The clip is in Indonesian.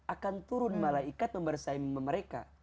akan turun malaikat membersaimi mereka